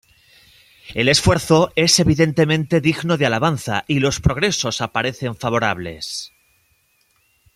El esfuerzo es evidentemente digno de alabanza y los progresos aparecen favorables.